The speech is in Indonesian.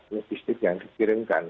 logistik yang dikirimkan